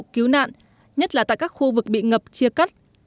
cứu nạn nhất là tại các khu vực bị ngập chia cắt